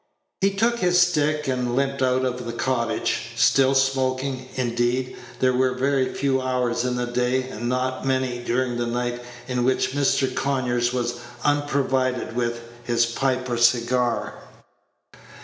He took his stick and limped out of the cottage, still smoking; indeed, there were very few hours in the day, and not many during the night, in which Mr. Conyers was unprovided with his pipe or cigar.